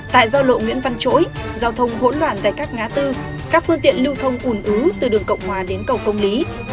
tại giao lộ nguyễn văn chỗi giao thông hỗn loạn tại các ngã tư các phương tiện lưu thông ủn ứ từ đường cộng hòa đến cầu công lý